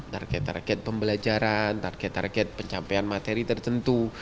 target target pembelajaran target target pencapaian materi tertentu